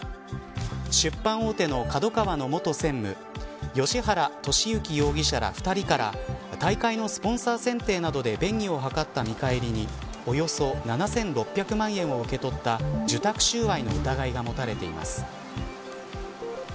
出版大手のＫＡＤＯＫＡＷＡの元専務芳原世幸容疑者ら２人から大会のスポンサー選定などで便宜を図った見返りにおよそ７６００万円を受け取った受託収賄の疑いが持たれています。